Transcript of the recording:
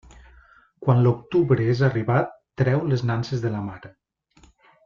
Quan l'octubre és arribat, treu les nanses de la mar.